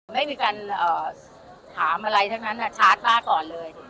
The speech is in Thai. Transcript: ไม่มีการถามอะไรทั้งนั้นชาร์จป้าก่อนเลย